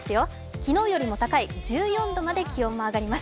昨日よりも高い１４度まで気温も上がります。